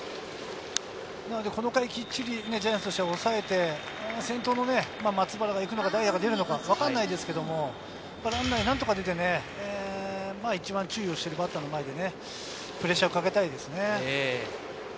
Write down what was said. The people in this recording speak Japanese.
この回きっちりジャイアンツとしては抑えて、先頭の松原が行くのか代打が出るのかわかりませんが、ランナーに何とか出て、一番注意をしているバッターの前でプレッシャーかけたいですね。